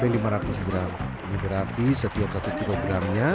ini berarti setiap satu kilogramnya